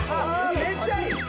めっちゃいい！